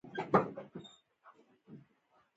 انا د خدای رضا غواړي